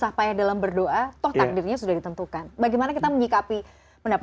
apa yang kita harus lakukan